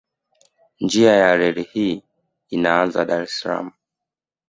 Njia ya reli hii inaanza Dar es Salaam